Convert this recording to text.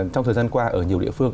trong thời gian qua ở nhiều địa phương